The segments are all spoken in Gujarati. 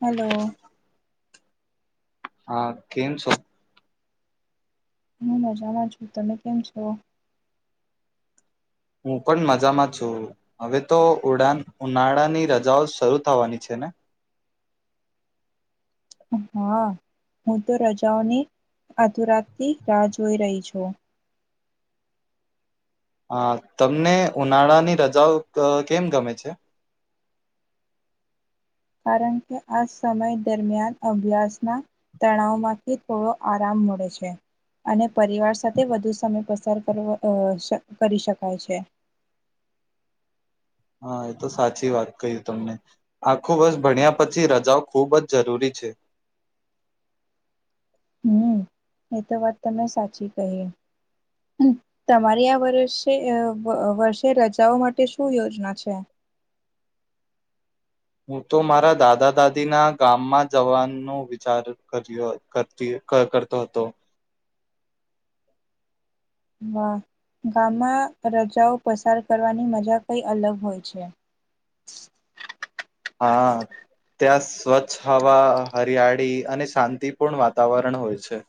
હલો. હા કેમ છો? હું મજામાં છું તમે કેમ છો? હું પણ મજામાં છું, હવે તો ઉડાાન ઉનાળાની રજાઓ શરૂ થવાની છે ને. હા, હું તો રજાઓની આધોરાત થી રાહ જોઈ રહી છું. હા તમને ઉનાળાની રજાઓ કેમ ગમે છે? કારણ કે આ સમય દરમિયાન અભ્યાસના, તણાવમાંથી થોડો આરામ મળે છે, અને પરિવાર સાથે વધુ સમય પસાર કર કરી શકાય છે. હા એ તો સાચી વાત ક તમને, આખું બર્સ ભણ્યા પછી રજાઓ ખુબ જ જરૂરી છે. હમ, એ તો વાત તમને સાચી કહી, તમારી આ વર્ષે વર્ષે રજાઓ માટે શું યોજના છે? હું તો મારા દાદા દાદીના ગામમાં જવાનો વિચાર કર્યોતી કરતો હતો. હા ગામમાં રજાઓ પસાર કરવાની મજા કઈ અલગ હોય છે. હા, ત્યાં સ્વચ્છ હવા હરિયાળી અને શાંતિપૂર્ણ વાતાવરણ હોય છે.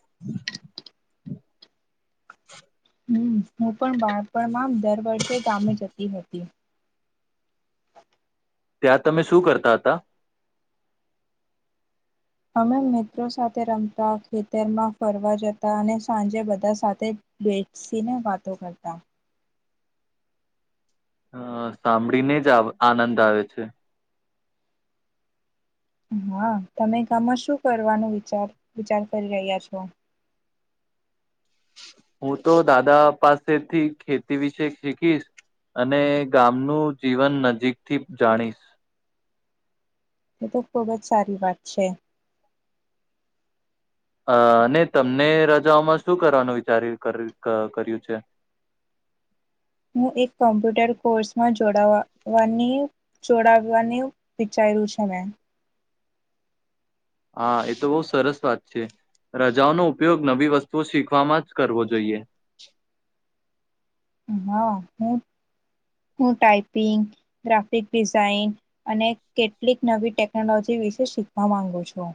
હમ હું પણ બાળપણમાં દર વર્ષે ગામે જતી હતી. ત્યાં તમે શું કરતા હતા? અમે મિત્રો સાથે રમતા ખેતરમાં ફરવા જતા અને સાંજે બધા સાથે, બેસીને વાતો કરતા. હ સાંભળીને જ આનંદ આવે છે. હા તમે ગામમાં શું કરવાનો વિચાર વિચાર કરી રહ્યા છો? હું તો દાદા પાસેથી ખેતી વિશે શીખીશ, અને ગામનું જીવન નજીકથી જાણીશ. એ તો ખુબ જ સારી વાત છે. અ અને તમને રજાઓમાં શું કરવાનું વિચાર કર્યું છે? હું એક કોમ્પ્યુટર કોર્સમાં જો જોડવાનું વિચાર્યું છે મેં. હા એ તો બહુ સરસ વાત છે, રજાઓનો ઉપયોગ નવી વસ્તુઓ શીખવામાં જ કરવો જોઈએ. હા હું, હું ટાઈપિંગ, ગ્રાફિક ડિઝાઇન અને કેટલીક નવી ટેકનોલોજી વિશે શીખવા માંગુ છું.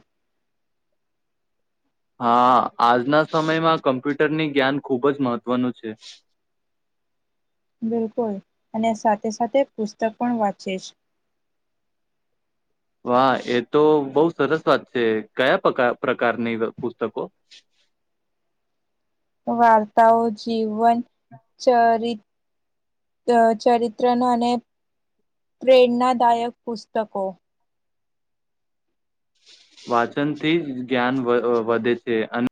હા આજના સમયમાં કમ્પ્યુટરની જ્ઞાન ખૂબ જ મહત્વનું છે. બિલકુલ, અને સાથે સાથે પુસ્તક પણ વાંચે છે. વાહ એ તો બહુ સરસ વાત છે કયા પકાર પ્રકારની પુસ્તકો વાર્તાઓ જીવન. ચરી ચરિત્ર અને પ્રેરણાદાયક પુસ્તકો. વાચન થી જ જ્ઞાન વધે છે અને.